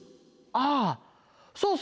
ああそうそう！